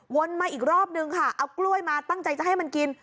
มาอีกรอบนึงค่ะเอากล้วยมาตั้งใจจะให้มันกิน